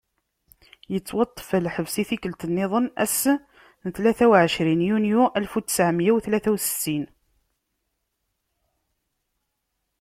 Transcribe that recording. Yettwaṭṭef ɣer lḥebs i tikkelt-nniden ass n tlata u ɛecrin yunyu alef u ttɛemya u tlata u settin.